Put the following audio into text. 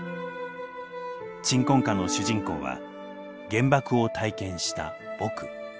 「鎮魂歌」の主人公は原爆を体験した「僕」。